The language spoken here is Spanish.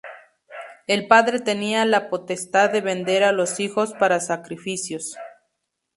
El padre tenía la potestad de vender a los hijos para sacrificios.